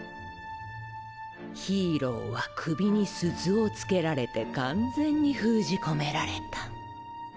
ヒーローは首に鈴をつけられて完全に封じ込められた。